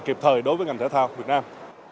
kịp thời đối với ngành thể thao việt nam